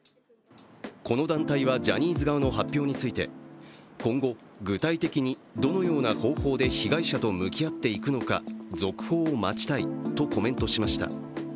この団体はジャニーズ側の発表について、今後、具体的にどのような方法で被害者と向き合っていくのか続報を待ちたいとコメントしました。